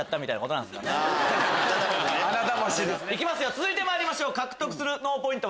続いてまいりましょう獲得する脳ポイント